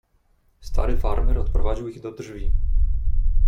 "Stary farmer odprowadził ich do drzwi."